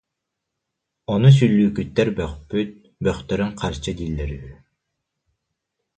Ону сүллүүкүттэр бөхпүт, бөхтөрүн харчы дииллэр үһү